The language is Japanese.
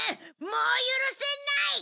もう許せない！